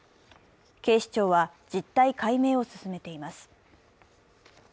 警視庁は実態解明を進めています。